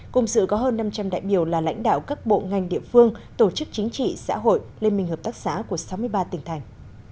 cùng sự có hơn năm trăm linh đại biểu là lãnh đạo các bộ ngành địa phương tổ chức chính trị xã hội liên minh hợp tác xã của sáu mươi ba tỉnh thành